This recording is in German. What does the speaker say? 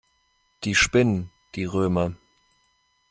Die spinnen, die Römer.